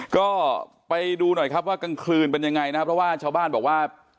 ก็ไปดูหน่อยครับว่ากลางคืนเป็นยังไงนะครับเพราะว่าชาวบ้านบอกว่า